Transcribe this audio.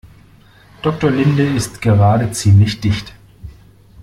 Doktor Linde ist gerade ziemlich dicht.